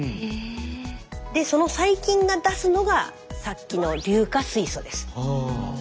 その細菌が出すのがさっきの硫化水素です。